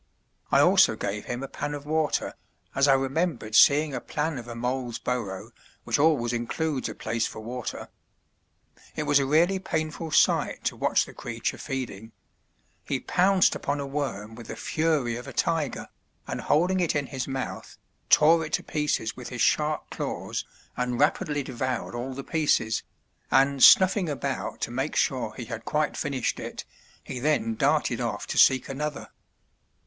I also gave him a pan of water, as I remembered seeing a plan of a mole's burrow which always includes a place for water. It was a really painful sight to watch the creature feeding; he pounced upon a worm with the fury of a tiger, and holding it in his mouth, tore it to pieces with his sharp claws and rapidly devoured all the pieces, and snuffing about to make sure he had quite finished it, he then darted off to seek another.